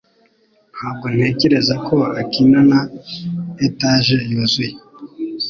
Ntabwo ntekereza ko akina na etage yuzuye